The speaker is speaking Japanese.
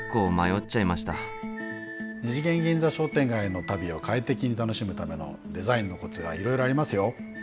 二次元銀座商店街の旅を快適に楽しむためのデザインのコツがいろいろありますよ。